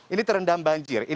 ini terendam banjir